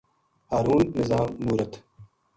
ہارون نظام مورت